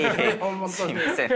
すみません。